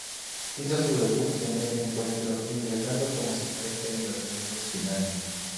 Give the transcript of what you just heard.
Hizo su debut en ese encuentro, ingresando como suplente en los minutos finales.